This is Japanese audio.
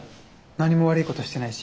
何も悪いことしてないし。